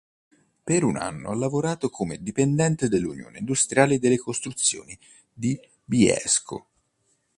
Per un anno ha lavorato come dipendente dell'Unione industriale delle costruzioni di Bielsko.